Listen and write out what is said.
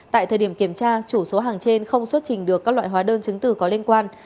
tại thời điểm kiểm tra chủ số hàng trên không xuất trình được các loại hóa đơn chứng từ có liên quan